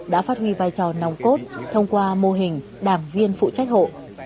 đã phát huy vai trò nòng cốt thông qua mô hình đảng viên phụ trách hộ